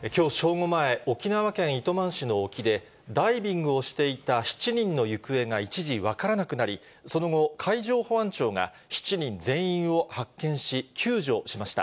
午前、沖縄県糸満市の沖で、ダイビングをしていた７人の行方が一時分からなくなり、その後、海上保安庁が７人全員を発見し、救助しました。